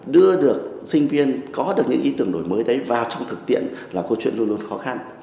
đưa được sinh viên có được những ý tưởng đổi mới đấy vào trong thực tiện là câu chuyện luôn luôn khó khăn